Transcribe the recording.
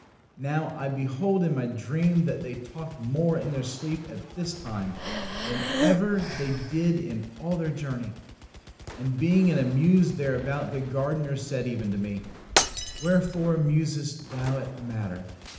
"Now, I beheld in my dream that they talked more in their sleep at this time than ever they did in all their journey. And being in a muse thereabout, the gardener said even to me: Wherefore musest thou at the matter?